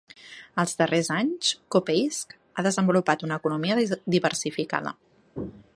Els darrers anys, Kopeisk ha desenvolupat una economia diversificada.